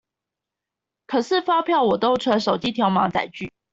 可是發票我都存手機條碼載具